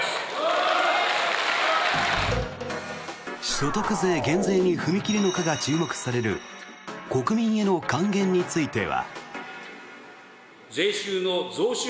所得税減税に踏み切るのかが注目される国民への還元については。